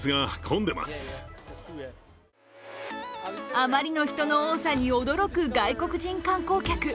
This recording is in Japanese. あまりの人の多さに驚く外国人観光客。